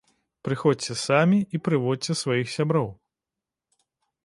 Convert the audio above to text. Прыходзьце самі і прыводзьце сваіх сяброў!